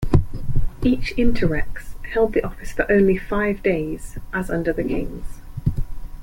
Each "interrex" held the office for only five days, as under the kings.